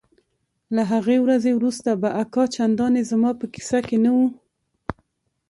له هغې ورځې وروسته به اکا چندانې زما په کيسه کښې نه و.